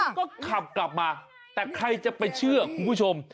มาสแตร์ทได้ก็ขับกลับมาแต่ใครจะไปเชื่อคุณผู้ชม